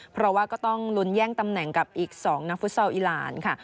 เพราะว่าก็ต้องลุ้นแย่งตำแหน่งกับอีก๒นักฟุตซอลอีหลานค่ะ